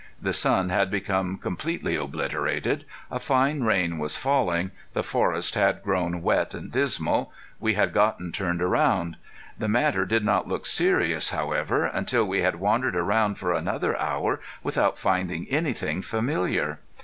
The sun had become completely obliterated, a fine rain was falling, the forest had grown wet and dismal. We had gotten turned around. The matter did not look serious, however, until we had wandered around for another hour without finding anything familiar.